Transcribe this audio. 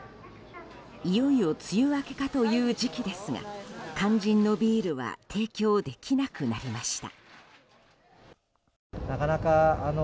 いよいよ梅雨明けかという時期ですが肝心のビールは提供できなくなりました。